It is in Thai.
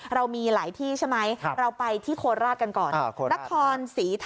เรามีหลายที่ใช่ไหมเราไปที่โคราชกันก่อน